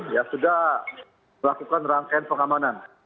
ya sudah melakukan rangkaian pengamanan